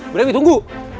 bu dewi tunggu